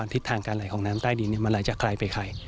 ทิศทางการไหลของน้ำใต้ดินมันไหลจากใครไปใคร